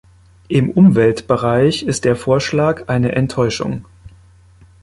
Im Umweltbereich ist der Vorschlag eine Enttäuschung.